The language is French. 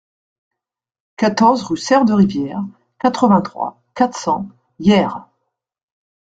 quatorze rue Sere de Rivière, quatre-vingt-trois, quatre cents, Hyères